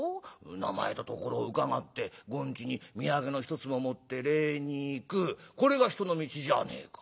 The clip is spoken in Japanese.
名前と所を伺って後日に土産の一つも持って礼に行くこれが人の道じゃあねえか。